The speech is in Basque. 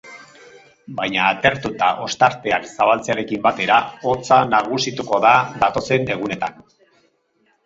Baina atertu eta ostarteak zabaltzearekin batera, hotza nagusituko da datozen egunetan.